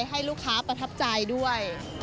ให้ลูกค้าประทับใจด้วย